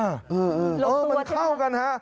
เออมันเข้ากันฮะ